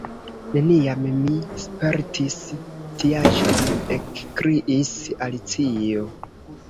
"Neniam mi spertis tiaĵon," ekkriis Alicio.